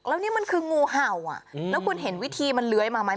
แล้วนี่มันคืองูเห่าอ่ะแล้วคุณเห็นวิธีมันเลื้อยมาไหม